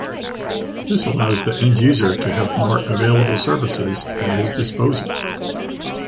This allows the end user to have more available services at his disposal.